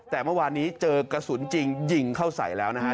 แต่เมื่อวานนี้เจอกระสุนจริงยิงเข้าใส่แล้วนะฮะ